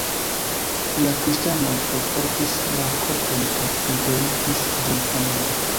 La kristanoj forportis la korpon kaj enterigis ĝin honore.